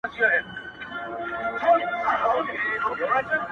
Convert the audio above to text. • د افغان جرمن په ویب سایټ کي -